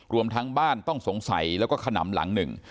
รวมทั้งบ้านต้องสงสัยแล้วก็ขนำหลังหนึ่ง